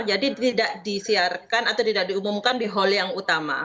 jadi tidak disiarkan atau tidak diumumkan di hall yang utama